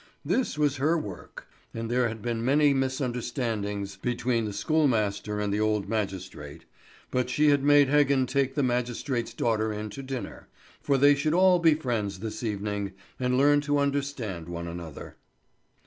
This was her work. And there had been many misunderstandings between the schoolmaster and the old magistrate; but she had made Heggen take the magistrate's daughter in to dinner; for they should all be friends this evening, and learn to understand one another.